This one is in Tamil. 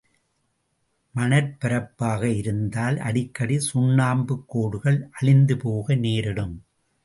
மணற்பரப்பாக இருந்தால், அடிக்கடி சுண்ணாம்புக் கோடுகள் அழிந்து போக நேரிடும்.